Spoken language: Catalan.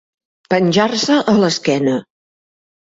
Penjar-se a l'esquena.